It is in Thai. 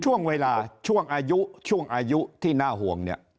ช่วงเวลาช่วงอายุช่วงอายุที่น่าห่วงเนี่ย